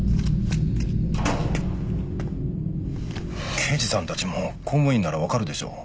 刑事さんたちも公務員ならわかるでしょう。